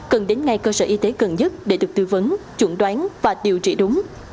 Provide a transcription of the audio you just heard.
cần đến ngay cơ sở y tế gần nhất để được tư vấn chuẩn đoán và điều trị đúng